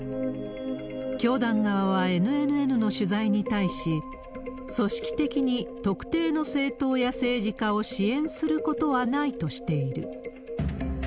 教団側はＮＮＮの取材に対し、組織的に特定の政党や政治家を支援することはないとしている。